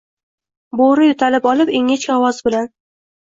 Boʻri yoʻtalib olib, ingichka ovoz bilan: